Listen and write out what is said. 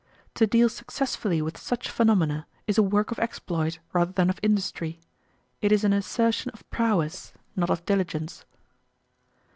To deal successfully with such phenomena is a work of exploit rather than of industry. It is an assertion of prowess, not of diligence.